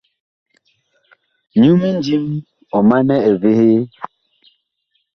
Nyu mindím ɔ manɛ evehee.